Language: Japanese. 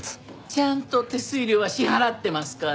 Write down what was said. ちゃんと手数料は支払ってますから。